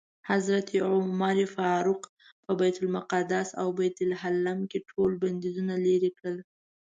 حضرت عمر فاروق په بیت المقدس او بیت لحم کې ټول بندیزونه لرې کړل.